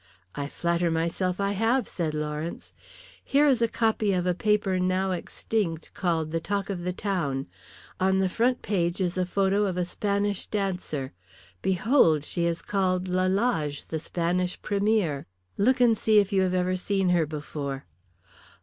"I flatter myself I have," said Lawrence. "Here is a copy of a paper now extinct called the Talk of the Town. On the front page is a photo of a Spanish dancer. Behold she is called Lalage, the Spanish premiere. Look and see if you have ever seen her before."